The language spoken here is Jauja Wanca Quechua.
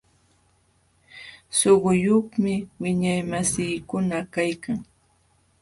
Suquyuqmi wiñaymasiikuna kaykan.